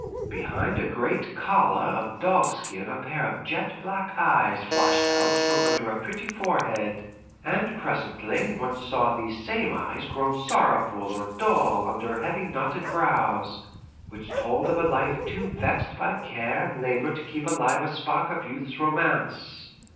Behind a great collar of dogskin a pair of jet black eyes flashed out from under a pretty forehead; and presently one saw these same eyes grown sorrowful or dull under heavy knotted brows, which told of a life too vexed by care and labour to keep alive a spark of youth's romance.